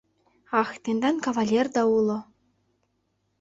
Ах, тендан кавалерда уло...